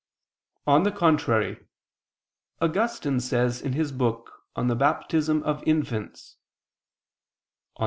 On the contrary, Augustine says in his book on the Baptism of infants (De Pecc.